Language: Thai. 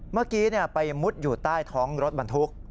เมื่อกี้ไปมุดอยู่ใต้ท้องรถบรรทุก